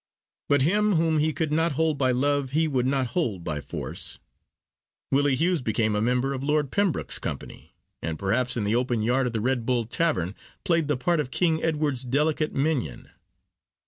But him whom he could not hold by love, he would not hold by force. Willie Hughes became a member of Lord Pembroke's company, and, perhaps in the open yard of the Red Bull Tavern, played the part of King Edward's delicate minion.